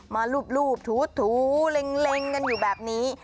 มารูปถูเล็งกันอยู่แบบนี้